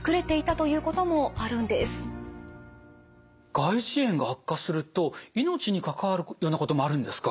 外耳炎が悪化すると命に関わるようなこともあるんですか？